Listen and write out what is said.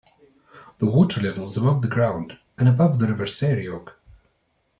The water level is above the ground and above the River Ceiriog.